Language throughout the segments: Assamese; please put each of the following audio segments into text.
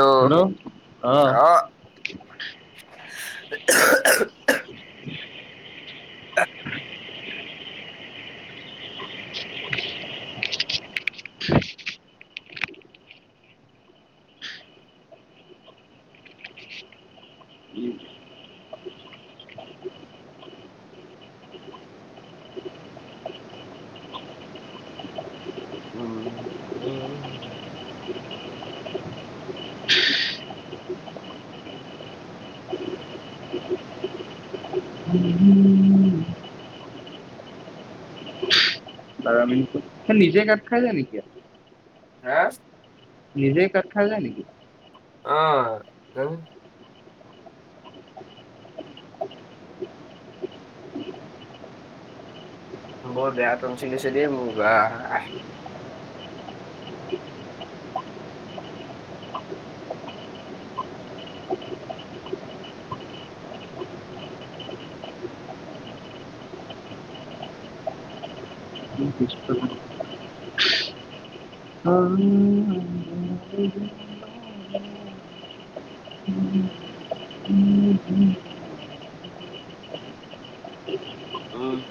বৰ হুনং', অ'। [unintelligible] [unintelligible] [inaudible] উম'। উম'। [inaudible] [unintelligible] বাৰ মিনিটত। নিজে কাত খাই যায় নেকি আক হে? নিজে কাত খাই যায় নেকি? অ' হ বৰ বেয়া তঞ্চিল হৈছে মোৰ বাহ [unintelligible] অ [unintelligible] [unintelligible] উম, উম'। উম'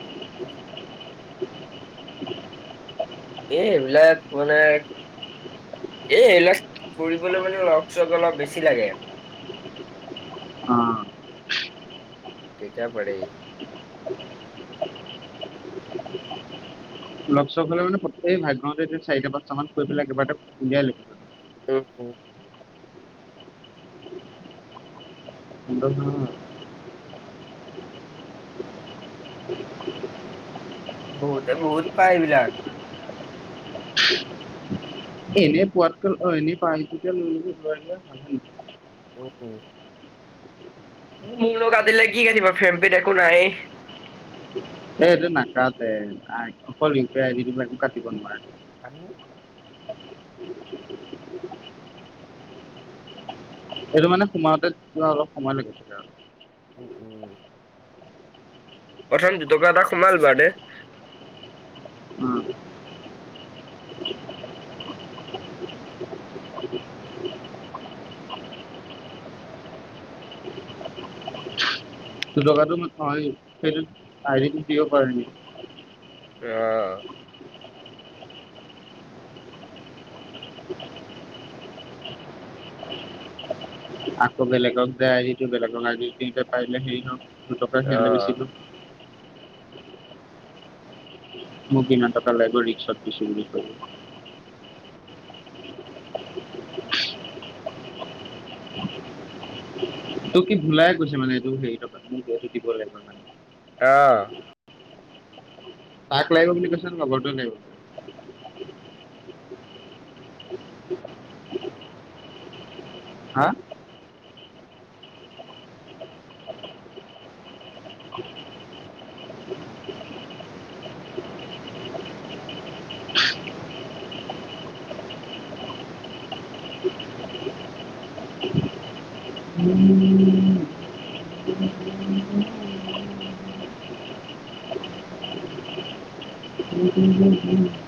এই এইবিলাক মানে এ এইবিলাক কৰিবলৈ মানে লগ চগ অলপ বেছি লাগে। কেইটা পৰেই? লগ চগ হ'লে মানে পতকে ভাগতেটো চাৰিটা পাঁচটা মান কৰি পেলাই একেবাৰটে উলিয়াই লাগিব। হুম, হুম। [unintelligible] বহুতে বহুত পাই এইবিলাক। এই এনে পোৱাতকৈ অ এনে পানী [unintelligible] উ' উ। [unintelligible] নো কাটিলে কি কাটিবা ফেম পিত একো নাই। এই এইটো নাকাতে, অকল ৰিপেয়াৰি [unintelligible] টো একো কাটিব নোৱাৰে। [unintelligible] সেইটো মানে সোমাওঁতে কিবা অলপ সময় লাগিব কিবা এটা। উ, উ' প্ৰথম দুটকা এটা সোমাল বা দেই। উম' [unintelligible] দুটকাটোনো [unintelligible] নহয় সেইটোত [unintelligible] দিব পাৰে নেকি? এ আকৌ বেলেগক যায় আজটো বেলেগক আজি পাৰিলে হেৰি দুটকা সিহঁতে বেছি অ মোক ইমান টকা লেব ৰিস্কত দিছু বুলি কয। তোক কি ভুলাই গৈছে মানে এইটো হেৰি টকাটো দিব লাগিব মানে। অ' তাক লাগিব বুলি কৈছে নে লগৰটো লাগিব? হা'? [unintelligible] [unintelligible] [unintelligible]